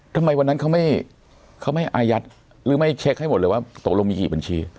ทำไมวันนั้นเขาไม่อายัดหรือไม่เช็คให้หมดเลยว่าตกลงมีกี่บัญชี